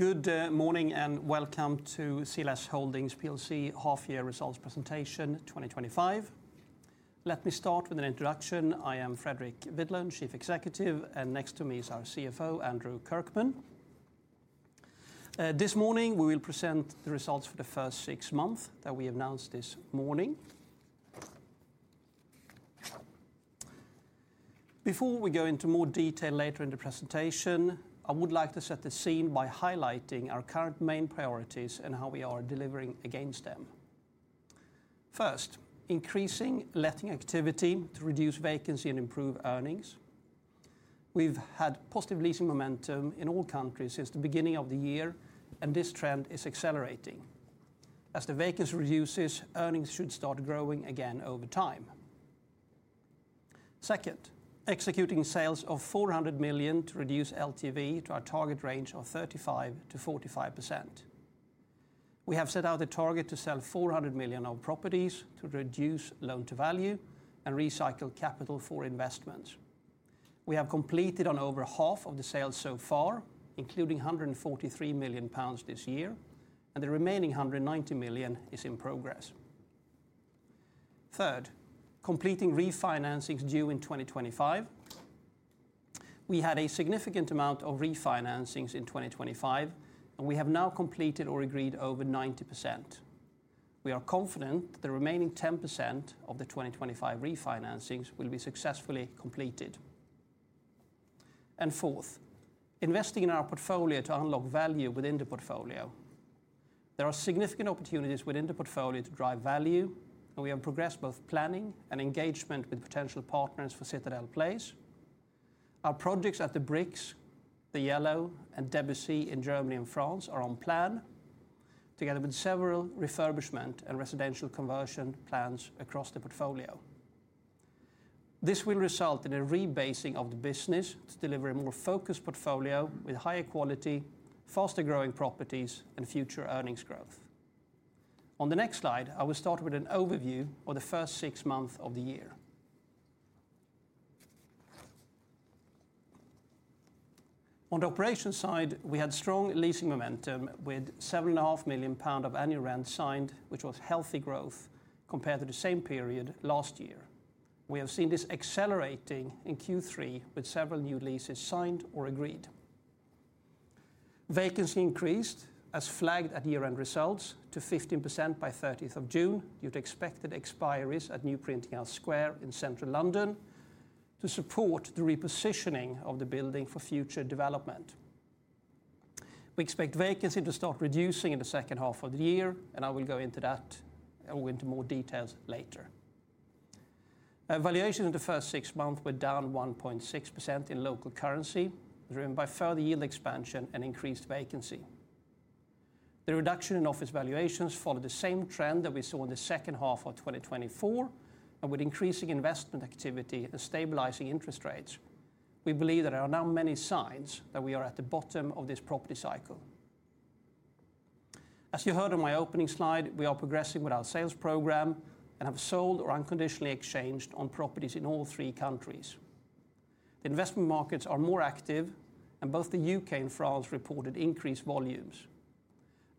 Good morning and welcome to CLS Holdings PLC Half-Year Results Presentation 2025. Let me start with an introduction. I am Fredrik Widlund, Chief Executive, and next to me is our CFO, Andrew Kirkman. This morning, we will present the results for the first six months that we announced this morning. Before we go into more detail later in the presentation, I would like to set the scene by highlighting our current main priorities and how we are delivering against them. First, increasing letting activity to reduce vacancy and improve earnings. We've had positive leasing momentum in all countries since the beginning of the year, and this trend is accelerating. As the vacancy reduces, earnings should start growing again over time. Second, executing sales of 400 million to reduce LTV to our target range of 35%-45%. We have set out a target to sell 400 million of properties to reduce loan-to-value and recycle capital for investments. We have completed over half of the sales so far, including 143 million pounds this year, and the remaining 190 million is in progress. Third, completing refinancings due in 2025. We had a significant amount of refinancings in 2025, and we have now completed or agreed over 90%. We are confident that the remaining 10% of the 2025 refinancings will be successfully completed. Fourth, investing in our portfolio to unlock value within the portfolio. There are significant opportunities within the portfolio to drive value, and we have progressed both planning and engagement with potential partners for Citadel Place. Our projects at the Brix, the Yellow, and Debussy in Germany and France are on plan, together with several refurbishment and residential conversion plans across the portfolio. This will result in a rebasing of the business to deliver a more focused portfolio with higher quality, faster-growing properties, and future earnings growth. On the next slide, I will start with an overview of the first six months of the year. On the operations side, we had strong leasing momentum with 7.5 million pounds of annual rents signed, which was healthy growth compared to the same period last year. We have seen this accelerating in Q3 with several new leases signed or agreed. Vacancy increased, as flagged at year-end results, to 15% by 30th of June due to expected expiry at New Printing House Square in central London to support the repositioning of the building for future development. We expect vacancy to start reducing in the second half of the year, and I will go into that or into more details later. Valuations in the first six months were down 1.6% in local currency, driven by further yield expansion and increased vacancy. The reduction in office valuations followed the same trend that we saw in the second half of 2024, and with increasing investment activity and stabilizing interest rates, we believe that there are now many signs that we are at the bottom of this property cycle. As you heard on my opening slide, we are progressing with our sales program and have sold or unconditionally exchanged on properties in all three countries. The investment markets are more active, and both the U.K. and France reported increased volumes.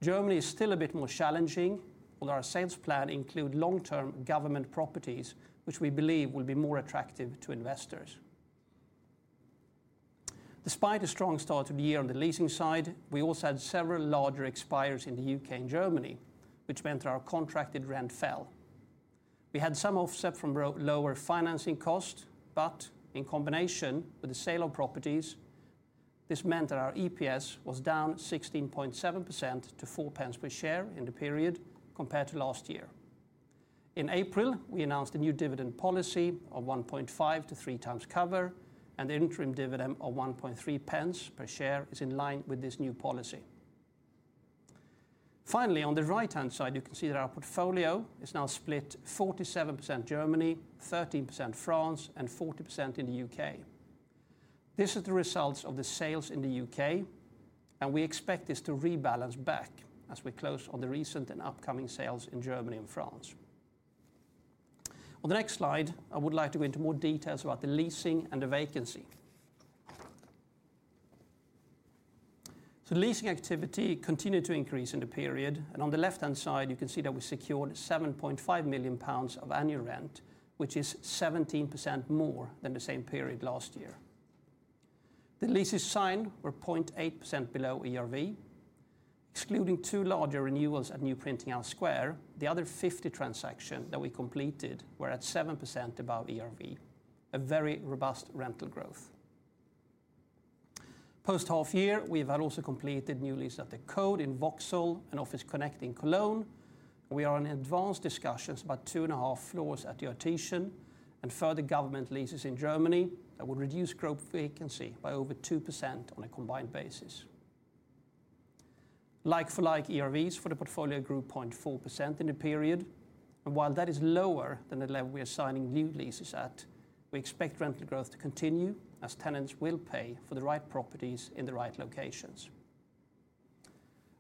Germany is still a bit more challenging, although our sales plan includes long-term government properties, which we believe will be more attractive to investors. Despite a strong start of the year on the leasing side, we also had several larger expiry in the U.K. and Germany, which meant that our contracted rent fell. We had some offset from lower financing costs, but in combination with the sale of properties, this meant that our EPS was down 16.7% to 0.04 per share in the period compared to last year. In April, we announced a new dividend policy of 1.5x–3x cover, and the interim dividend of 0.013 per share is in line with this new policy. Finally, on the right-hand side, you can see that our portfolio is now split 47% Germany, 13% France, and 40% in the U.K. This is the result of the sales in the U.K., and we expect this to rebalance back as we close on the recent and upcoming sales in Germany and France. On the next slide, I would like to go into more details about the leasing and the vacancy. Leasing activity continued to increase in the period, and on the left-hand side, you can see that we secured 7.5 million pounds of annual rent, which is 17% more than the same period last year. The leases signed were 0.8% below ERV. Excluding two larger renewals at New Printing House Square, the other 50 transactions that we completed were at 7% above ERV, a very robust rental growth. Post-half-year, we have also completed new leases at the Code in Vauxhall and Office Connect in Cologne. We are in advanced discussions about 2.5 floors at the Artisan, and further government leases in Germany that would reduce crop vacancy by over 2% on a combined basis. Like-for-like ERVs for the portfolio grew 0.4% in the period, and while that is lower than the level we are signing new leases at, we expect rental growth to continue as tenants will pay for the right properties in the right locations.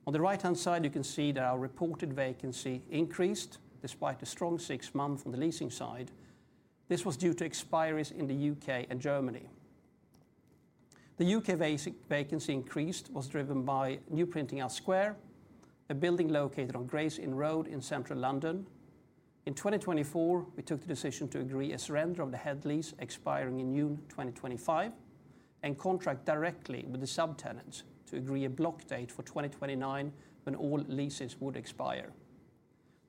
On the right-hand side, you can see that our reported vacancy increased despite a strong six months on the leasing side. This was due to expiry in the U.K. and Germany. The U.K. vacancy increase was driven by New Printing House Square, a building located on Grace Inn Road in central London. In 2024, we took a decision to agree a surrender of the head lease expiring in June 2025 and contract directly with the subtenants to agree a block date for 2029 when all leases would expire.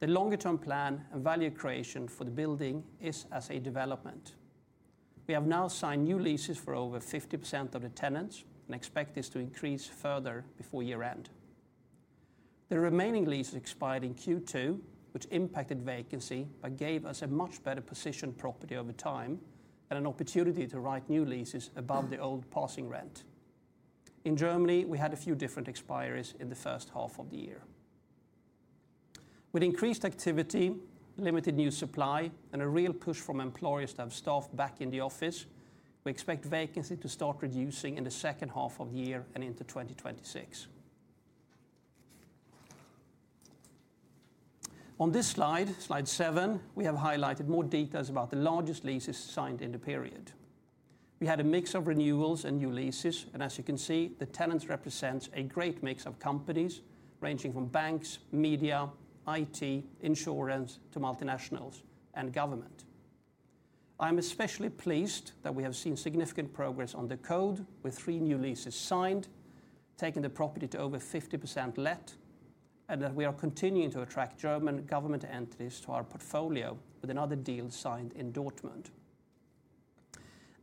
The longer-term plan and value creation for the building is as a development. We have now signed new leases for over 50% of the tenants and expect this to increase further before year-end. The remaining leases expired in Q2, which impacted vacancy but gave us a much better positioned property over time and an opportunity to write new leases above the old passing rent. In Germany, we had a few different expiry in the first half of the year. With increased activity, limited new supply, and a real push from employers to have staff back in the office, we expect vacancy to start reducing in the second half of the year and into 2026. On this slide, slide seven, we have highlighted more details about the largest leases signed in the period. We had a mix of renewals and new leases, and as you can see, the tenants represent a great mix of companies ranging from banks, media, IT, insurance, to multinationals and government. I'm especially pleased that we have seen significant progress on the Code with three new leases signed, taking the property to over 50% let, and that we are continuing to attract German government entities to our portfolio with another deal signed in Dortmund.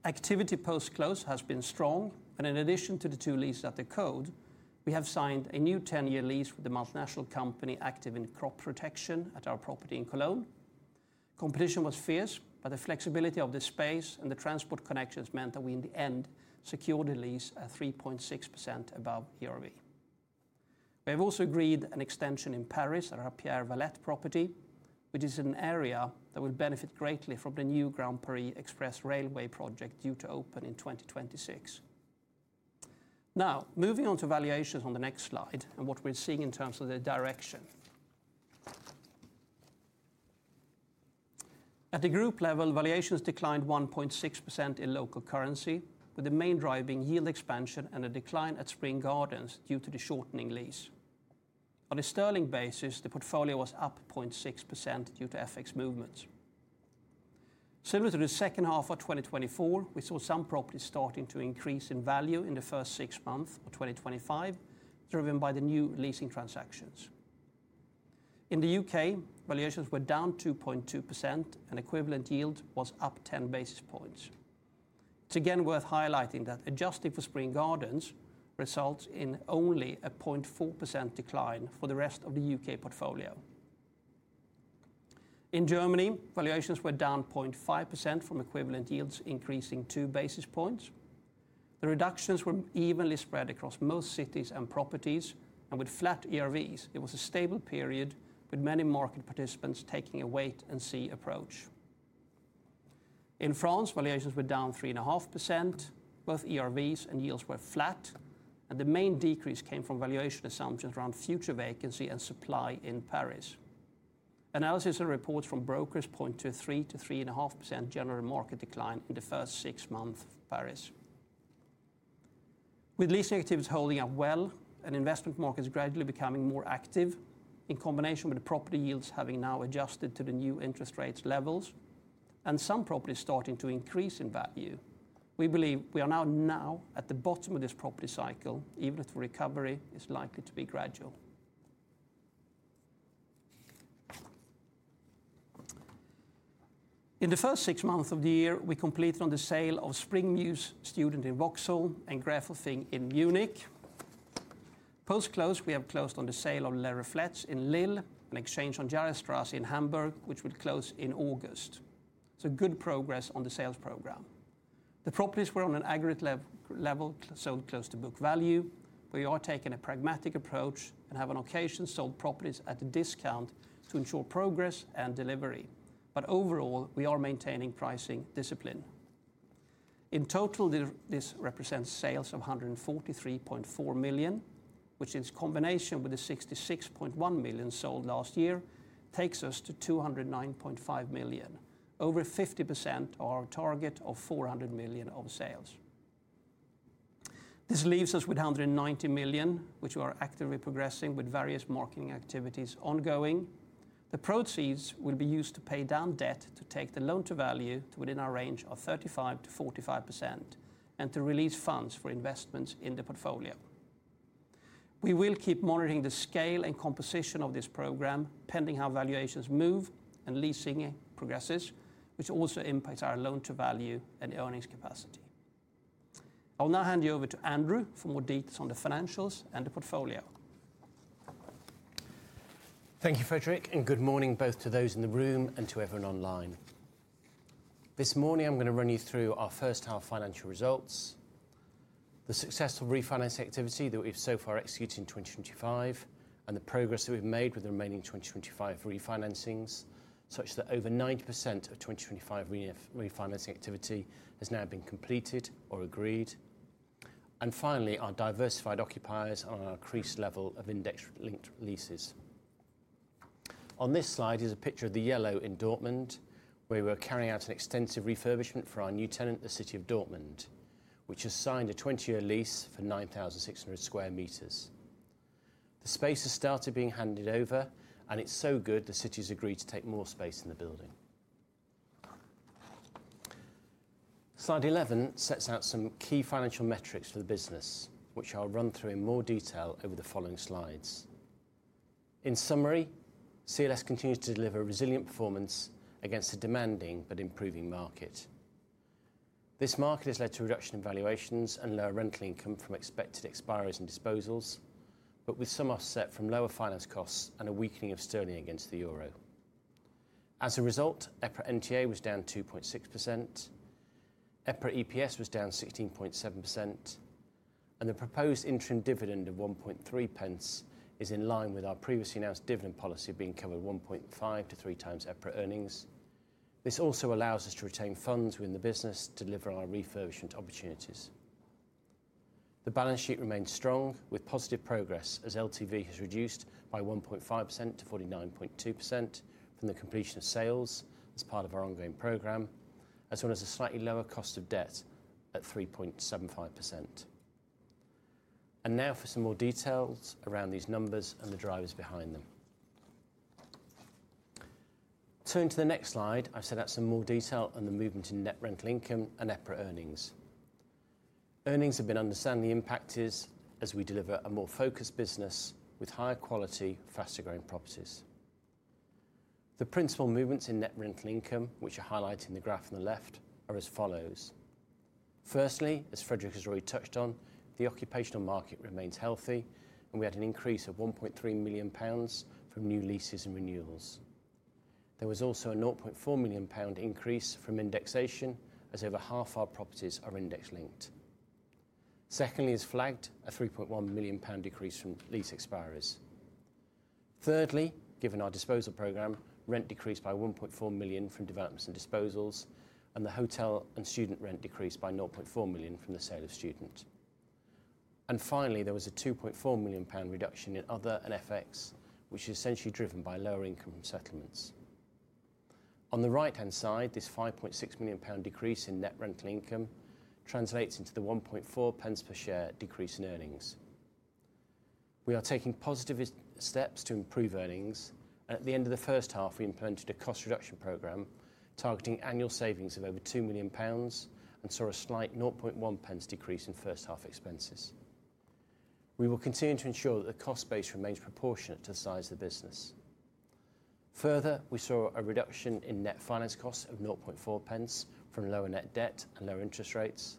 Activity post-close has been strong, and in addition to the two leases at the Code, we have signed a new 10-year lease with the multinational company active in crop protection at our property in Cologne. Competition was fierce, but the flexibility of the space and the transport connections meant that we in the end secured a lease at 3.6% above ERV. We have also agreed an extension in Paris at our Pierre Valette property, which is an area that would benefit greatly from the new Grand Paris Express railway project due to open in 2026. Now, moving on to valuations on the next slide and what we're seeing in terms of the direction. At the group level, valuations declined 1.6% in local currency, with the main drive being yield expansion and a decline at Spring Gardens due to the shortening lease. On a sterling basis, the portfolio was up 0.6% due to FX movements. Similar to the second half of 2024, we saw some properties starting to increase in value in the first six months of 2025, driven by the new leasing transactions. In the U.K., valuations were down 2.2%, and equivalent yield was up 10 basis points. It's again worth highlighting that adjusting for Spring Gardens results in only a 0.4% decline for the rest of the U.K. portfolio. In Germany, valuations were down 0.5% from equivalent yields increasing two basis points. The reductions were evenly spread across most cities and properties, and with flat ERVs, it was a stable period with many market participants taking a wait-and-see approach. In France, valuations were down 3.5%, both ERVs and yields were flat, and the main decrease came from valuation assumptions around future vacancy and supply in Paris. Analysis and reports from brokers point to a 3%-3.5% general market decline in the first six months of Paris. With leasing activity holding up well and investment markets gradually becoming more active, in combination with the property yields having now adjusted to the new interest rate levels, and some properties starting to increase in value, we believe we are now at the bottom of this property cycle, even if the recovery is likely to be gradual. In the first six months of the year, we completed on the sale of Spring Mews Student in Vauxhall and Grafelfing in Munich. Post-close, we have closed on the sale of Les Reflets in Lille and exchanged on Jarrestrasse in Hamburg, which will close in August. It's good progress on the sales program. The properties were on an aggregate level sold close to book value, but we are taking a pragmatic approach and have on occasion sold properties at a discount to ensure progress and delivery. Overall, we are maintaining pricing discipline. In total, this represents sales of 143.4 million, which in combination with the 66.1 million sold last year takes us to 209.5 million, over 50% of our target of 400 million of sales. This leaves us with 190 million, which we are actively progressing with various marketing activities ongoing. The proceeds will be used to pay down debt to take the loan-to-value to within our range of 35%-45% and to release funds for investments in the portfolio. We will keep monitoring the scale and composition of this program pending how valuations move and leasing progresses, which also impacts our loan-to-value and earnings capacity. I'll now hand you over to Andrew for more details on the financials and the portfolio. Thank you, Fredrik, and good morning both to those in the room and to everyone online. This morning, I'm going to run you through our first half financial results, the successful refinancing activity that we've so far executed in 2025, and the progress that we've made with the remaining 2025 refinancings, such that over 90% of 2025 refinancing activity has now been completed or agreed. Finally, our diversified occupiers and our increased level of index-linked leases. On this slide is a picture of the Yellow in Dortmund, where we're carrying out an extensive refurbishment for our new tenant, the City of Dortmund, which has signed a 20-year lease for 9,600 square meters. The space has started being handed over, and it's so good the City has agreed to take more space in the building. Slide 11 sets out some key financial metrics for the business, which I'll run through in more detail over the following slides. In summary, CLS continues to deliver resilient performance against a demanding but improving market. This market has led to a reduction in valuations and lower rental income from expected expiry and disposals, with some offset from lower finance costs and a weakening of sterling against the euro. As a result, EPRA NTA was down 2.6%, EPRA EPS was down 16.7%, and the proposed interim dividend of 0.013 is in line with our previously announced dividend policy being covered 1.5x–3x EPRA earnings. This also allows us to retain funds within the business to deliver our refurbishment opportunities. The balance sheet remains strong with positive progress as LTV has reduced by 1.5% to 49.2% from the completion of sales as part of our ongoing program, as well as a slightly lower cost of debt at 3.75%. Now for some more details around these numbers and the drivers behind them. Turning to the next slide, I've set out some more detail on the movement in net rental income and EPRA earnings. Earnings have been understanding the impact as we deliver a more focused business with higher quality, faster-growing properties. The principal movements in net rental income, which are highlighted in the graph on the left, are as follows. Firstly, as Fredrik has already touched on, the occupational market remains healthy, and we had an increase of 1.3 million pounds from new leases and renewals. There was also a 0.4 million pound increase from indexation as over half our properties are index-linked. Secondly, as flagged, a 3.1 million pound decrease from lease expiry. Thirdly, given our disposal program, rent decreased by 1.4 million from developments and disposals, and the hotel and student rent decreased by 0.4 million from the sale of student. Finally, there was a 2.4 million pound reduction in other and FX, which is essentially driven by lower income settlements. On the right-hand side, this 5.6 million pound decrease in net rental income translates into the 1.4 pence per share decrease in earnings. We are taking positive steps to improve earnings, and at the end of the first half, we implemented a cost reduction program targeting annual savings of over 2 million pounds and saw a slight 0.1 pence decrease in first half expenses. We will continue to ensure that the cost base remains proportionate to the size of the business. Further, we saw a reduction in net finance costs of 0.4 pence from lower net debt and lower interest rates,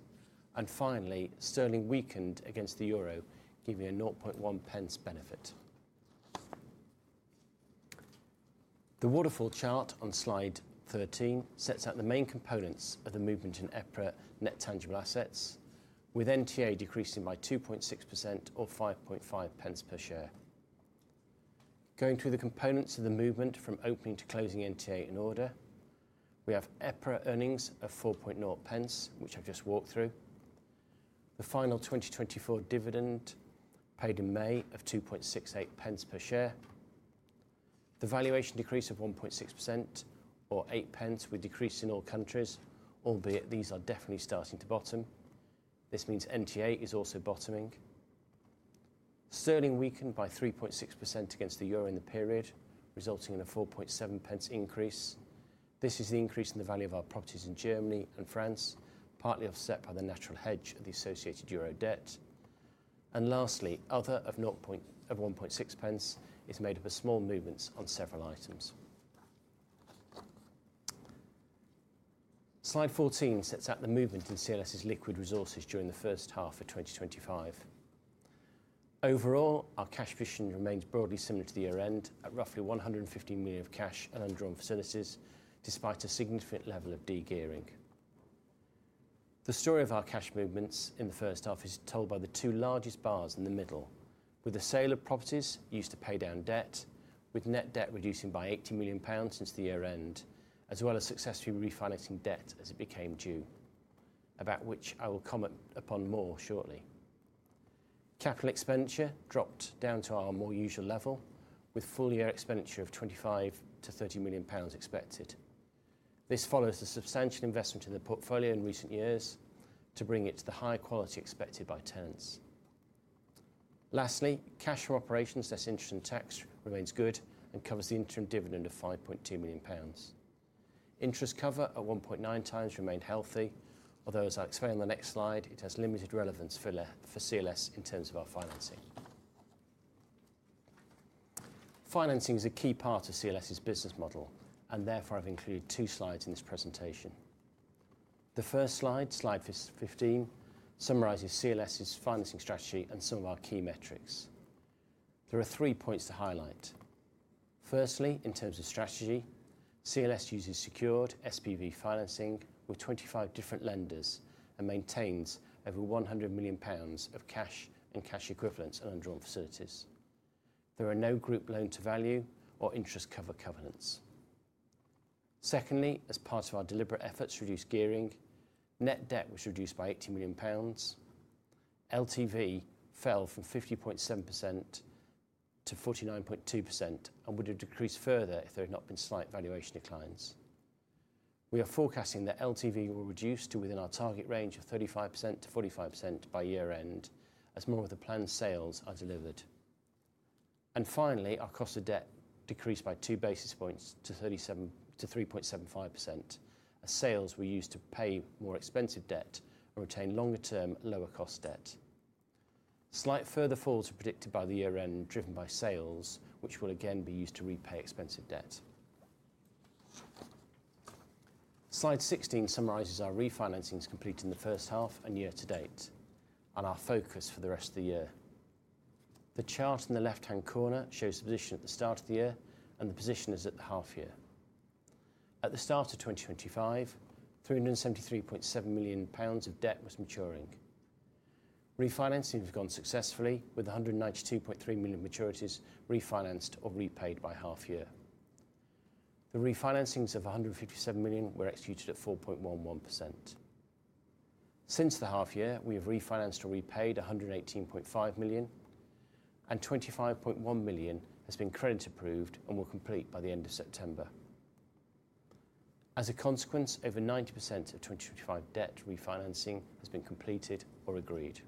and finally, sterling weakened against the euro, giving a 0.1 pence benefit. The waterfall chart on slide 13 sets out the main components of the movement in EPRA net tangible assets, with NTA decreasing by 2.6% or 5.5 pence per share. Going through the components of the movement from opening to closing NTA in order, we have EPRA earnings of 4.0 pence, which I've just walked through, the final 2024 dividend paid in May of 2.68 pence per share, the valuation decrease of 1.6% or 8 pence with decrease in all countries, albeit these are definitely starting to bottom. This means NTA is also bottoming. Sterling weakened by 3.6% against the euro in the period, resulting in a 4.7 pence increase. This is the increase in the value of our properties in Germany and France, partly offset by the natural hedge of the associated euro debt. Lastly, other of 1.6 pence is made up of small movements on several items. Slide 14 sets out the movement in CLS's liquid resources during the first half of 2025. Overall, our cash position remains broadly similar to the year-end at roughly 115 million of cash and undrawn facilities, despite a significant level of degearing. The story of our cash movements in the first half is told by the two largest bars in the middle, with the sale of properties used to pay down debt, with net debt reducing by 80 million pounds since the year-end, as well as successfully refinancing debt as it became due, about which I will comment upon more shortly. Capital expenditure dropped down to our more usual level, with full year expenditure of 25 million-30 million pounds expected. This follows a substantial investment in the portfolio in recent years to bring it to the high quality expected by tenants. Lastly, cash for operations less interest and tax remains good and covers the interim dividend of 5.2 million pounds. Interest cover at 1.9x remained healthy, although as I'll explain on the next slide, it has limited relevance for CLS in terms of our financing. Financing is a key part of CLS's business model, and therefore I've included two slides in this presentation. The first slide, slide 15, summarizes CLS's financing strategy and some of our key metrics. There are three points to highlight. Firstly, in terms of strategy, CLS uses secured SPV financing with 25 different lenders and maintains over 100 million pounds of cash and cash equivalents and undrawn facilities. There are no group loan-to-value or interest cover covenants. Secondly, as part of our deliberate efforts to reduce gearing, net debt was reduced by 80 million pounds. LTV fell from 50.7% to 49.2% and would have decreased further if there had not been slight valuation declines. We are forecasting that LTV will reduce to within our target range of 35%-45% by year-end as more of the planned sales are delivered. Finally, our cost of debt decreased by two basis points to 3.75% as sales were used to pay more expensive debt or retain longer-term lower cost debt. Slight further falls are predicted by the year-end driven by sales, which will again be used to repay expensive debt. Slide 16 summarizes our refinancings completed in the first half and year to date and our focus for the rest of the year. The chart in the left-hand corner shows the position at the start of the year and the position at the half-year. At the start of 2025, 373.7 million pounds of debt was maturing. Refinancing has gone successfully with 192.3 million maturities refinanced or repaid by half-year. The refinancings of 157 million were executed at 4.11%. Since the half-year, we have refinanced or repaid 118.5 million, and 25.1 million has been credit approved and will complete by the end of September. As a consequence, over 90% of 2025 debt refinancing has been completed or agreed.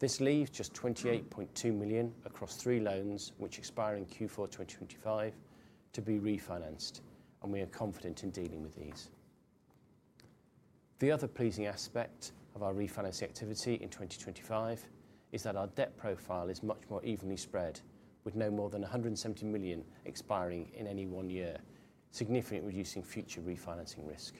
This leaves just 28.2 million across three loans which expire in Q4 2025 to be refinanced, and we are confident in dealing with these. The other pleasing aspect of our refinancing activity in 2025 is that our debt profile is much more evenly spread, with no more than 170 million expiring in any one year, significantly reducing future refinancing risk.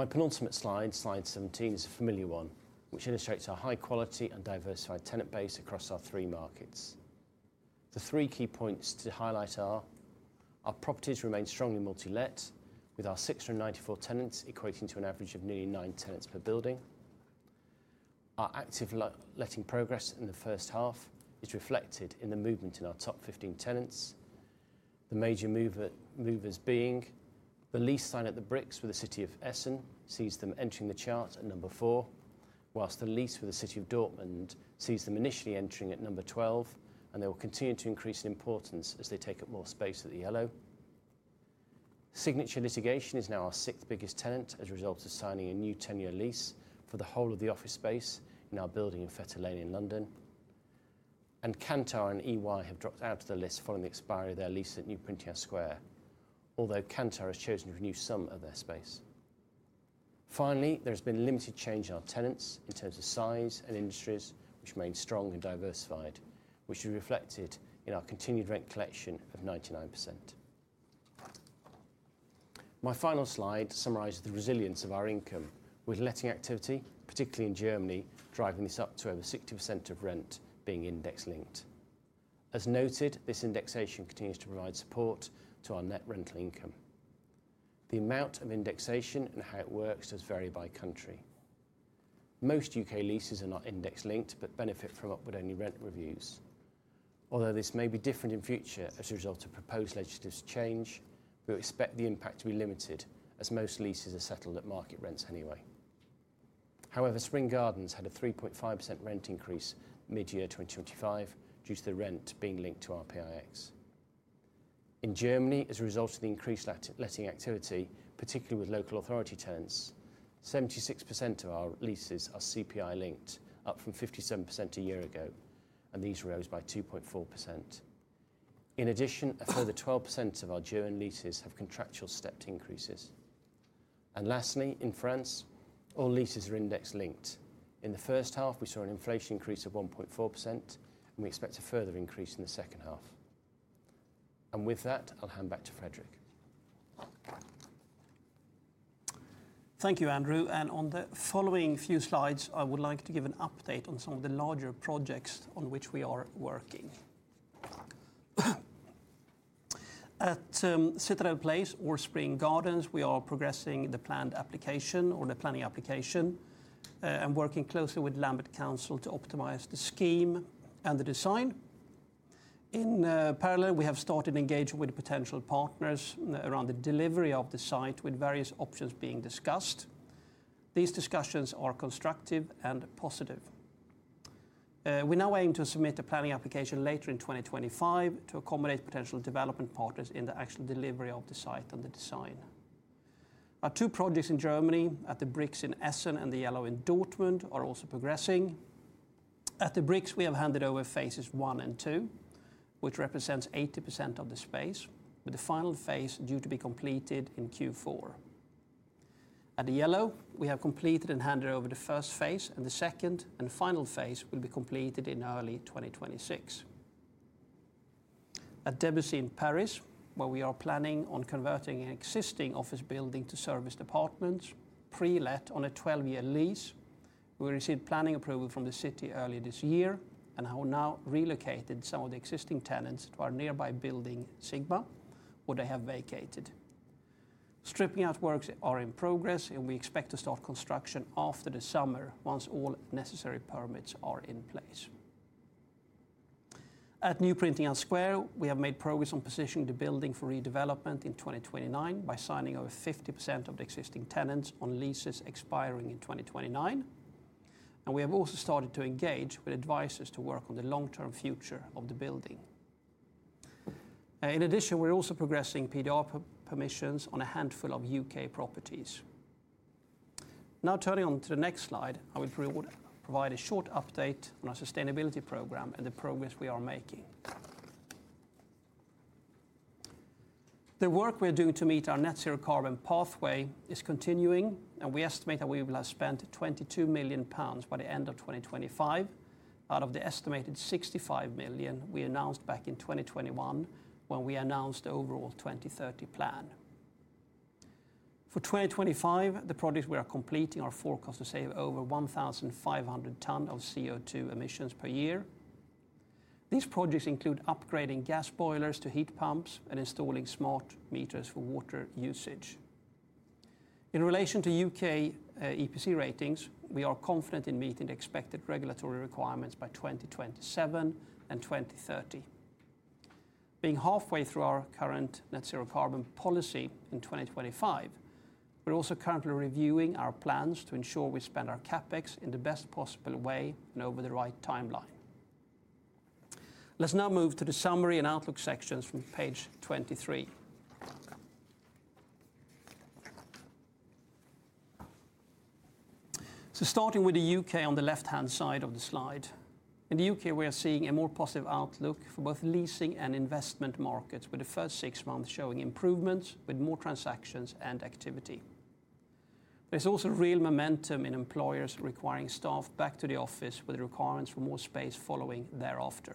My penultimate slide, slide 17, is a familiar one, which illustrates our high quality and diversified tenant base across our three markets. The three key points to highlight are our properties remain strongly multi-let, with our 694 tenants equating to an average of nearly nine tenants per building. Our active letting progress in the first half is reflected in the movement in our top 15 tenants, the major movers being the lease signed at the Brix with the City of Essen, which sees them entering the chart at number four, whilst the lease with the City of Dortmund sees them initially entering at number 12, and they will continue to increase in importance as they take up more space at the Yellow. Signature Litigation is now our sixth biggest tenant as a result of signing a new 10-year lease for the whole of the office space in our building in Fetter Lane in London. Kantar and EY have dropped out of the list following the expiry of their lease at New Printing House Square, although Kantar has chosen to renew some of their space. Finally, there has been limited change in our tenants in terms of size and industries, which remain strong and diversified, which is reflected in our continued rent collection of 99%. My final slide summarizes the resilience of our income, with letting activity, particularly in Germany, driving this up to over 60% of rent being index-linked. As noted, this indexation continues to provide support to our net rental income. The amount of indexation and how it works does vary by country. Most U.K. leases are not index-linked but benefit from upward-only rent reviews. Although this may be different in the future as a result of proposed legislative change, we expect the impact to be limited as most leases are settled at market rents anyway. However, Spring Gardens had a 3.5% rent increase mid-year 2025 due to the rent being linked to RPIX. In Germany, as a result of the increased letting activity, particularly with local authority tenants, 76% of our leases are CPI-linked, up from 57% a year ago, and these rose by 2.4%. In addition, a further 12% of our German leases have contractual stepped increases. Lastly, in France, all leases are index-linked. In the first half, we saw an inflation increase of 1.4%, and we expect a further increase in the second half. With that, I'll hand back to Fredrik. Thank you, Andrew. On the following few slides, I would like to give an update on some of the larger projects on which we are working. At Citadel Place or Spring Gardens, we are progressing the planning application and working closely with Lambeth Council to optimize the scheme and the design. In parallel, we have started engaging with potential partners around the delivery of the site with various options being discussed. These discussions are constructive and positive. We now aim to submit a planning application later in 2025 to accommodate potential development partners in the actual delivery of the site and the design. Our two projects in Germany, at the Brix in Essen and the Yellow in Dortmund, are also progressing. At the Brix, we have handed over phases one and two, which represent 80% of the space, with the final phase due to be completed in Q4. At the Yellow, we have completed and handed over the first phase, and the second and final phase will be completed in early 2026. At Debussy in Paris, where we are planning on converting an existing office building to serviced apartments, pre-let on a 12-year lease, we received planning approval from the city earlier this year and have now relocated some of the existing tenants to our nearby building, Sigma, where they have vacated. Stripping out works are in progress, and we expect to start construction after the summer once all necessary permits are in place. At New Printing House Square, we have made progress on positioning the building for redevelopment in 2029 by signing over 50% of the existing tenants on leases expiring in 2029. We have also started to engage with advisors to work on the long-term future of the building. In addition, we're also progressing PDR permissions on a handful of U.K. properties. Now turning to the next slide, I will provide a short update on our sustainability program and the progress we are making. The work we are doing to meet our net zero carbon pathway is continuing, and we estimate that we will have spent 22 million pounds by the end of 2025 out of the estimated 65 million we announced back in 2021 when we announced the overall 2030 plan. For 2025, the projects we are completing are forecast to save over 1,500 tonnes of CO2 emissions per year. These projects include upgrading gas boilers to heat pumps and installing smart meters for water usage. In relation to U.K. EPC ratings, we are confident in meeting the expected regulatory requirements by 2027 and 2030. Being halfway through our current net zero carbon policy in 2025, we're also currently reviewing our plans to ensure we spend our CapEx in the best possible way and over the right timeline. Let's now move to the summary and outlook sections from page 23. Starting with the U.K. on the left-hand side of the slide, in the U.K., we are seeing a more positive outlook for both leasing and investment markets, with the first six months showing improvements with more transactions and activity. There's also real momentum in employers requiring staff back to the office with the requirements for more space following thereafter.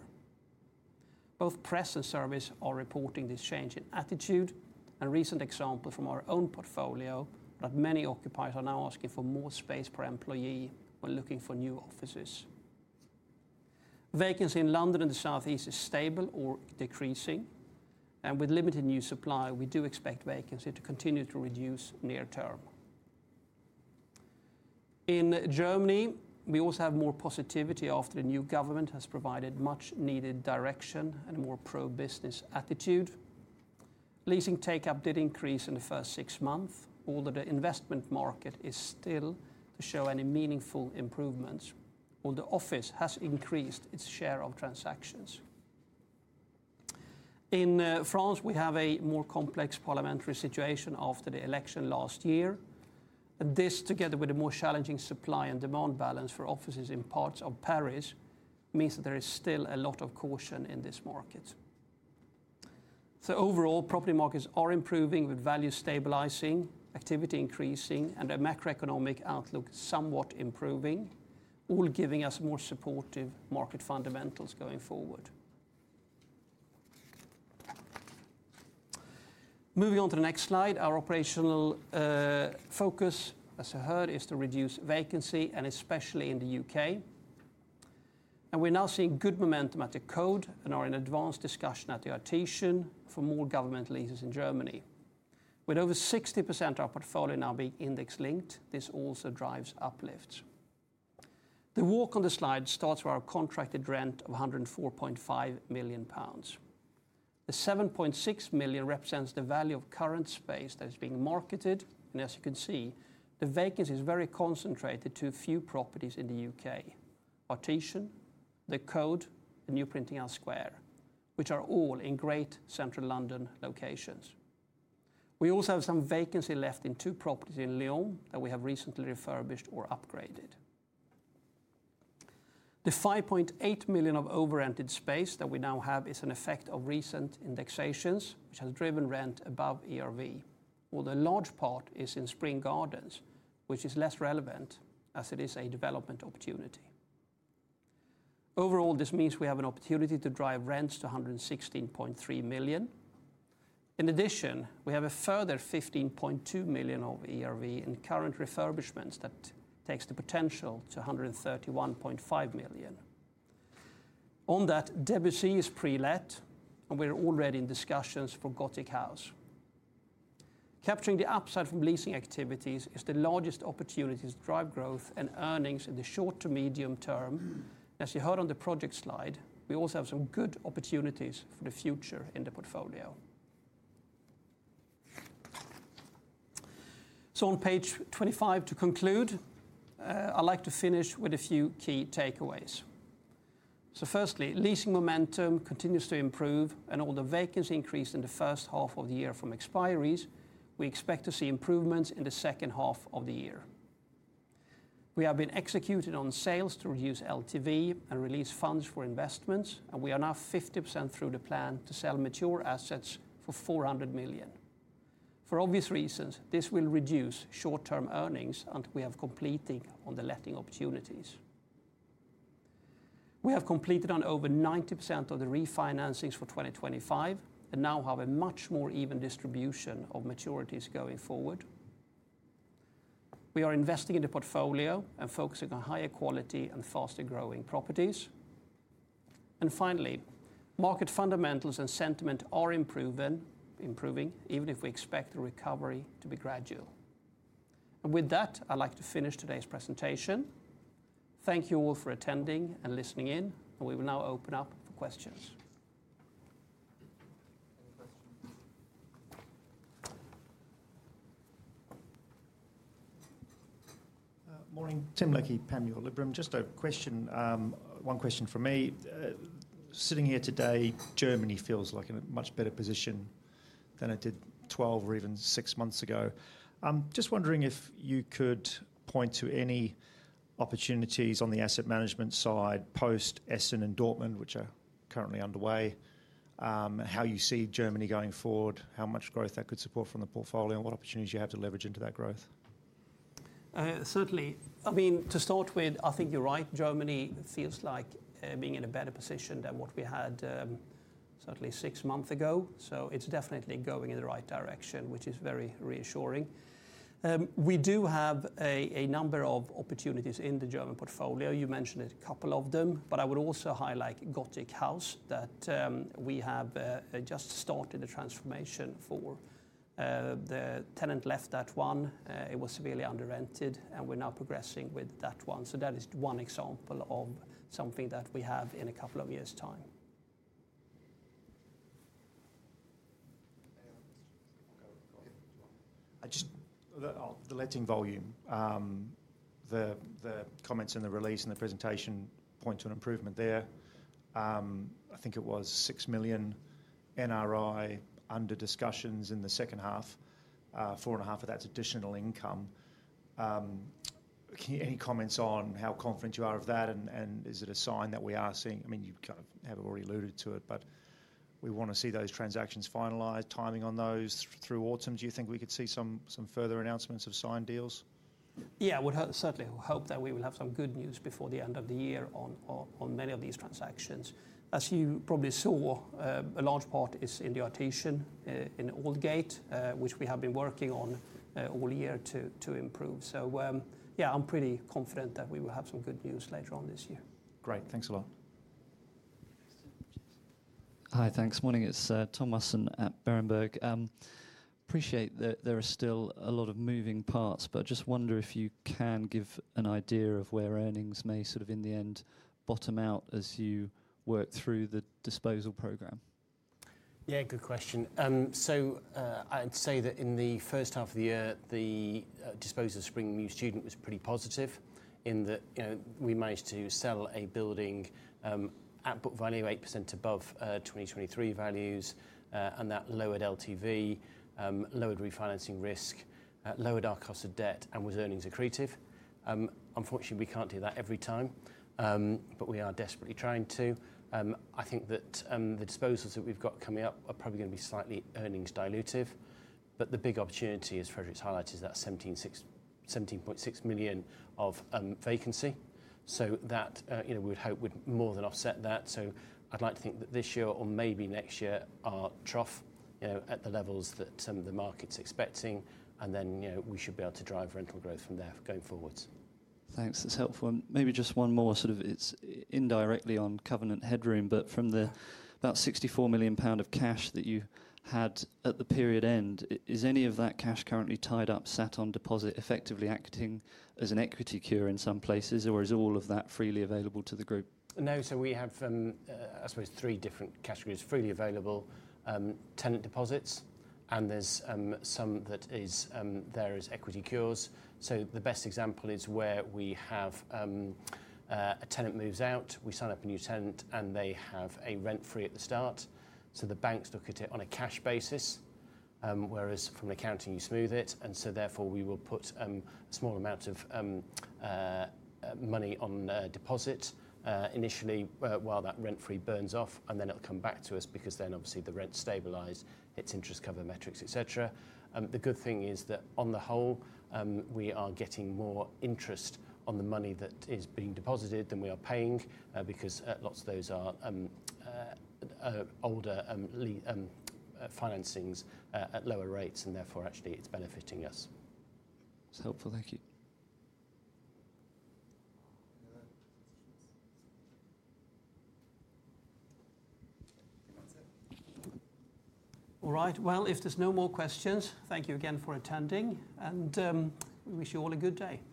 Both press and service are reporting this change in attitude, and recent examples from our own portfolio show that many occupiers are now asking for more space per employee when looking for new offices. Vacancy in London and the Southeast is stable or decreasing, and with limited new supply, we do expect vacancy to continue to reduce near term. In Germany, we also have more positivity after the new government has provided much-needed direction and a more pro-business attitude. Leasing take-up did increase in the first six months, although the investment market is still to show any meaningful improvements, although the office has increased its share of transactions. In France, we have a more complex parliamentary situation after the election last year, and this, together with a more challenging supply and demand balance for offices in parts of Paris, means that there is still a lot of caution in this market. Overall, property markets are improving with value stabilizing, activity increasing, and a macroeconomic outlook somewhat improving, all giving us more supportive market fundamentals going forward. Moving on to the next slide, our operational focus, as I heard, is to reduce vacancy, especially in the U.K. We're now seeing good momentum at the Code and are in advanced discussion at the Artisan for more government leases in Germany. With over 60% of our portfolio now being index-linked, this also drives uplift. The walk on the slide starts with our contracted rent of 104.5 million pounds. The 7.6 million represents the value of current space that is being marketed, and as you can see, the vacancy is very concentrated to a few properties in the U.K.: Artisan, Code, and New Printing House Square, which are all in great central London locations. We also have some vacancy left in two properties in Lyon that we have recently refurbished or upgraded. The 5.8 million of over-rented space that we now have is an effect of recent indexations, which has driven rent above ERV, although a large part is in Spring Gardens, which is less relevant as it is a development opportunity. Overall, this means we have an opportunity to drive rents to 116.3 million. In addition, we have a further 15.2 million of ERV in current refurbishments that takes the potential to 131.5 million. On that, Debussy is pre-let, and we're already in discussions for Gothic House. Capturing the upside from leasing activities is the largest opportunity to drive growth and earnings in the short to medium term, and as you heard on the project slide, we also have some good opportunities for the future in the portfolio. On page 25, to conclude, I'd like to finish with a few key takeaways. Firstly, leasing momentum continues to improve, and although vacancy increased in the first half of the year from expiry, we expect to see improvements in the second half of the year. We have been executing on sales to reduce LTV and release funds for investments, and we are now 50% through the plan to sell mature assets for 400 million. For obvious reasons, this will reduce short-term earnings, and we have completed on the letting opportunities. We have completed on over 90% of the refinancings for 2025 and now have a much more even distribution of maturities going forward. We are investing in the portfolio and focusing on higher quality and faster-growing properties. Finally, market fundamentals and sentiment are improving, even if we expect the recovery to be gradual. With that, I'd like to finish today's presentation. Thank you all for attending and listening in, and we will now open up for questions. Morning, Tim Leckie, Panmure Liberum. Just a question, one question from me. Sitting here today, Germany feels like in a much better position than it did 12 or even 6 months ago. I'm just wondering if you could point to any opportunities on the asset management side post-Essen and Dortmund, which are currently underway, and how you see Germany going forward, how much growth that could support from the portfolio, and what opportunities you have to leverage into that growth. Certainly. I mean, to start with, I think you're right. Germany feels like being in a better position than what we had, certainly, six months ago. It's definitely going in the right direction, which is very reassuring. We do have a number of opportunities in the German portfolio. You mentioned a couple of them, but I would also highlight Gothic House that we have just started the transformation for. The tenant left that one. It was severely under-rented, and we're now progressing with that one. That is one example of something that we have in a couple of years' time. The letting volume, the comments in the release and the presentation point to an improvement there. I think it was 6 million NRI under discussions in the second half. 4.5 million of that's additional income. Any comments on how confident you are of that, and is it a sign that we are seeing? I mean, you kind of have already alluded to it, but we want to see those transactions finalized, timing on those through autumn. Do you think we could see some further announcements of signed deals? Yeah, I would certainly hope that we will have some good news before the end of the year on many of these transactions. As you probably saw, a large part is in the Artisan in the Old Gate, which we have been working on all year to improve. Yeah, I'm pretty confident that we will have some good news later on this year. Great, thanks a lot. Hi, thanks. Morning, it's Tom Musson at Berenberg. Appreciate that there are still a lot of moving parts, but I just wonder if you can give an idea of where earnings may sort of in the end bottom out as you work through the disposal program. Yeah, good question. I'd say that in the first half of the year, the disposal of Spring Mews Student was pretty positive in that we managed to sell a building at book value, 8% above 2023 values, and that lowered LTV, lowered refinancing risk, lowered our cost of debt, and was earnings accretive. Unfortunately, we can't do that every time, but we are desperately trying to. I think that the disposals that we've got coming up are probably going to be slightly earnings dilutive, but the big opportunity, as Fredrik's highlighted, is that 17.6 million of vacancy. We would hope that would more than offset that. I'd like to think that this year or maybe next year are trough at the levels that some of the markets are expecting, and then we should be able to drive rental growth from there going forward. Thanks, that's helpful. Maybe just one more, it's indirectly on Covenant Headroom. From the about 64 million pound of cash that you had at the period end, is any of that cash currently tied up, sat on deposit, effectively acting as an equity cure in some places, or is all of that freely available to the group? No, we have, I suppose, three different categories freely available: tenant deposits, and there's some that is there as equity cures. The best example is where we have a tenant moves out, we sign up a new tenant, and they have a rent free at the start. The banks look at it on a cash basis, whereas from an accounting you smooth it, and therefore we will put a small amount of money on deposit initially while that rent free burns off, and then it'll come back to us because then obviously the rent stabilizes, hits interest cover metrics, etc. The good thing is that on the whole, we are getting more interest on the money that is being deposited than we are paying because lots of those are older financings at lower rates, and therefore actually it's benefiting us. That's helpful, thank you. All right, if there's no more questions, thank you again for attending, and we wish you all a good day.